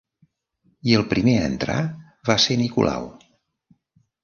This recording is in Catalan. I el primer a entrar va ser Nicolau.